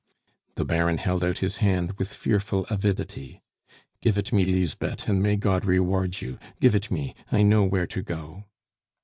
The Baron held out his hand with fearful avidity. "Give it me, Lisbeth, and may God reward you! Give it me; I know where to go."